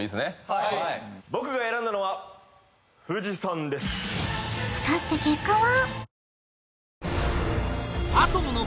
はい僕が選んだのは富士山です果たして結果は？